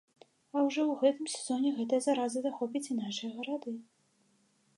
А ўжо ў гэтым сезоне гэтая зараза захопіць і нашыя гарады.